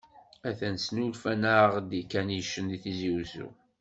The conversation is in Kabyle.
Atan snulfan-aɣ-d ikanicen di Tizi-Wezzu.